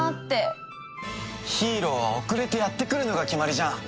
ヒーローは遅れてやって来るのが決まりじゃん！